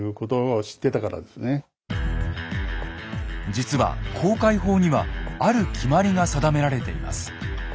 実は航海法にはある決まりが定められています。